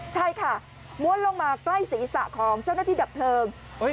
ใช่ค่ะม้วนลงมาใกล้ศีรษะของเจ้าหน้าที่ดับเพลิง